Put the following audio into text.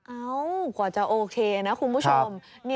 กว่าจะโอเคนะคุณผู้ชม